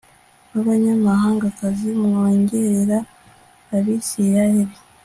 b abanyamahangakazi mwongerera abisirayeli